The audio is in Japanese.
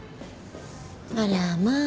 あらまあ。